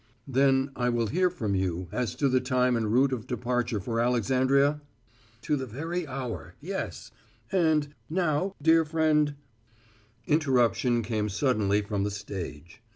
"Then I will hear from you as to the time and route of departure for Alexandria?" "To the very hour, yes. And, now, dear friend " Interruption came suddenly from the stage.